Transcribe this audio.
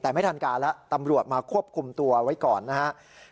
แต่ไม่ทันการแล้วตำรวจมาควบคุมตัวไว้ก่อนนะครับ